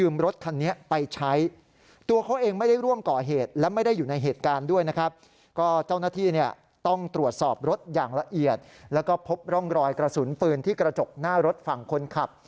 มีอย่างละเอียดแล้วก็พบร่องรอยกระสุนปืนที่กระจกหน้ารถฝั่งคนขับ